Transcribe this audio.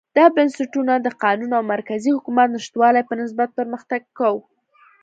دا بنسټونه د قانون او مرکزي حکومت نشتوالي په نسبت پرمختګ و.